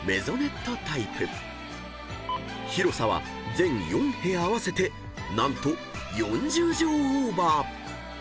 ［広さは全４部屋合わせて何と４０畳オーバー］